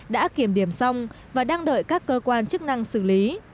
đã kiểm điểm xong và đang đợi các cơ quan chức năng xử lý